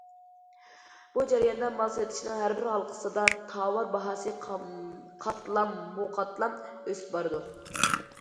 بۇ جەرياندا مال سېتىشنىڭ ھەر بىر ھالقىسىدا تاۋار باھاسى قاتلاممۇقاتلام ئۆسۈپ بارىدۇ.